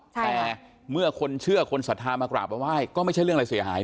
แต่เมื่อคนเชื่อคนศรัทธามากราบมาไหว้ก็ไม่ใช่เรื่องอะไรเสียหาย